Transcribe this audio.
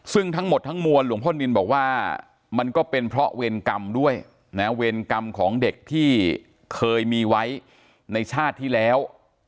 ซึ่งทั้งหมดทั้งมวลหลวงพ่อนินบอกว่ามันก็เป็นเพราะเวรกรรมด้วยนะเวรกรรมของเด็กที่เคยมีไว้ในชาติที่แล้ว